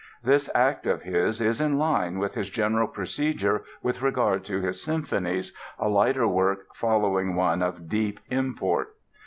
This act of his is in line with his general procedure with regard to his symphonies, a lighter work following one of deep import.